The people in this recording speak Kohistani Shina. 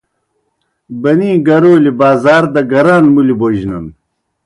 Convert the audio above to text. بَنِی گَرَولیْ بازار دہ گران مُلیْ بوجنَن۔